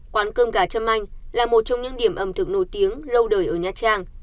quán cơm gà trâm anh là một trong những điểm ẩm thực nổi tiếng lâu đời ở nha trang